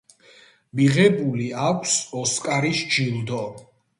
მიღებული აქვს ოსკარის ჯილდო.